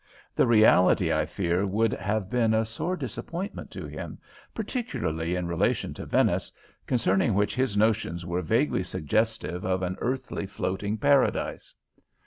The reality, I fear, would have been a sore disappointment to him, particularly in relation to Venice, concerning which his notions were vaguely suggestive of an earthly floating paradise.